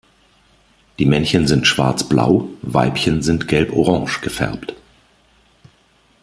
Die Männchen sind schwarz-blau, Weibchen sind gelb-orange gefärbt.